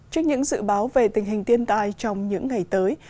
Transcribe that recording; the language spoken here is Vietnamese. trước những dự báo về tình hình thiên tai trong những ngày tới